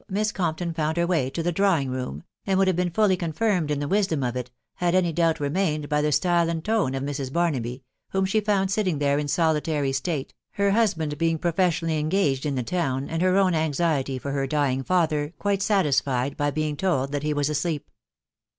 Miss Compton found her way to the drawing room, and would have been fully confirmed in the wisdom of it, had *ajr doubt remained, by the style and tone of Mi*. Barnaby, •«» she found sitting there in solitary state, 'net >ro&\»xk& THE WIDOW BARNABY. 57 being professionally engaged in the town, and her own anxiety for her dying father quite satisfied by being told that he was asleep.